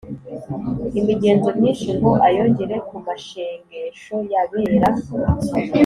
Imigenzo myinshi ngo ayongere ku mashengesho y’abera